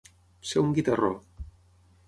Ser un guitarró.